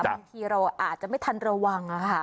บางทีเราอาจจะไม่ทันระวัง